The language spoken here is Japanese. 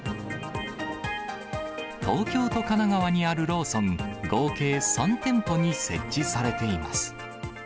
東京と神奈川にあるローソン合計３店舗に設置されています。